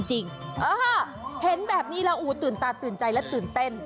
เห็นแบบนี้แล้วตื่นตาตื่นใจและตื่นเต้น